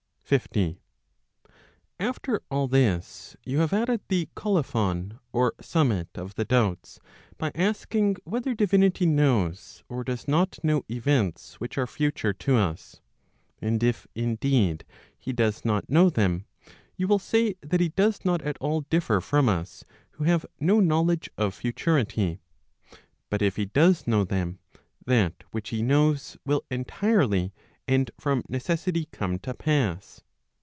50. After all this, you have added the colophon (or summit) of the doubts, by asking whether divinity knows or does not know events which are future to us. And if, indeed, he does not know them, you will say that he does not at all differ from us, who have no knowledge of futurity. But if he does know them, that which he knows will entirely and from necessity come to pass.